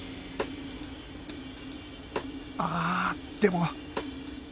ああでも